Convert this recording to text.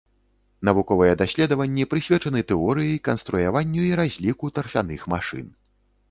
Навуковыя даследаванні прысвечаны тэорыі, канструяванню і разліку тарфяных машын.